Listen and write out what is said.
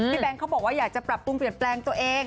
แบงค์เขาบอกว่าอยากจะปรับปรุงเปลี่ยนแปลงตัวเอง